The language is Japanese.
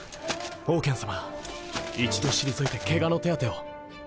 オウケンさま一度退いてケガの手当てを。